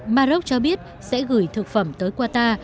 maroc cho biết sẽ gửi thực phẩm tới qatar